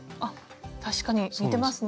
確かに似てますね。